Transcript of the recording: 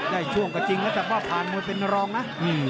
ได้ช่วงกับจริงแต่ว่าผ่านมือเป็นรองนะ